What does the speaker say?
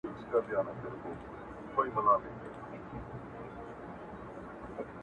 هر وخت يې ښكلومه د هـــوا پــــر ځــنـگانه.